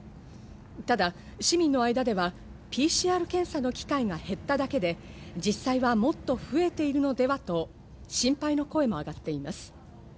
ただ、市民の間ではＰＣＲ検査の機会が減っただけで、実際はもっと増えているのではと心配の声もあがっています。